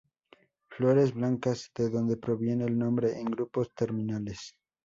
Flores blancas -de donde proviene el nombre- en grupos terminales.